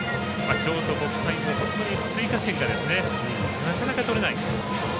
京都国際も本当に追加点がなかなか取れない。